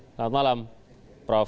selamat malam prof